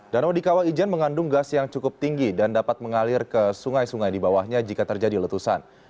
danau di kawah ijen mengandung gas yang cukup tinggi dan dapat mengalir ke sungai sungai di bawahnya jika terjadi letusan